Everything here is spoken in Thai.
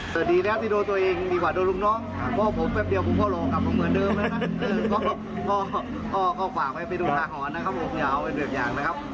ก็ฝากไว้เป็นอุทาหรณ์นะครับผมอย่าเอาเป็นแบบอย่างนะครับ